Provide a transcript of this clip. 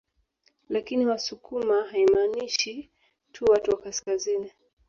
Lakini wasukuma haimaanishi tu watu wa kaskazini